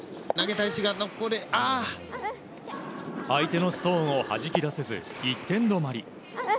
相手のストーンをはじき出せず１点止まり。